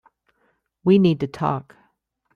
We need to talk.